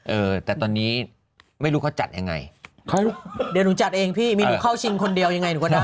เออแต่ตอนนี้ไม่รู้เขาจัดยังไงเขาเดี๋ยวหนูจัดเองพี่มีหนูเข้าชิงคนเดียวยังไงหนูก็ได้